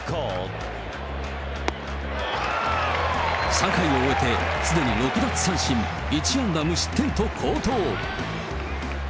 ３回を終えて、すでに６奪三振、１安打無失点と好投。